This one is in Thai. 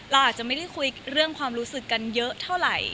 เราอาจจะไม่ได้คุยเรื่องความรู้สึกกันเยอะเท่าไหร่